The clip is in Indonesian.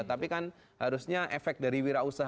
tapi kan harusnya efek dari wirausaha